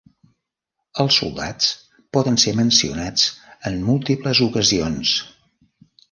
Els soldats poden ser mencionats en múltiples ocasions.